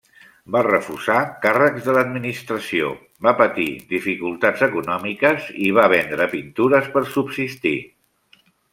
Va refusar càrrecs de l'administració, va patir dificultats econòmiques i va vendre pintures per subsistir.